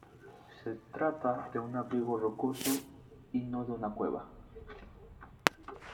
Se trata de un abrigo rocoso y no de una cueva.